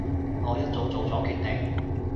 我一早做咗決定